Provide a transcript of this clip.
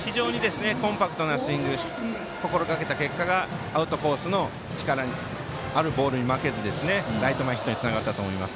コンパクトなスイングを心がけた結果がアウトコースの力のあるボールに負けずにライト前ヒットにつながったと思います。